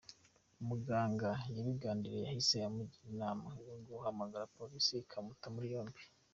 Umuganga yabiganiriye yahise amugira inama yo guhamagara polisi ikamuta muri yombi.